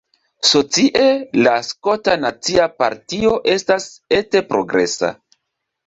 Socie, la Skota Nacia Partio estas ete progresa.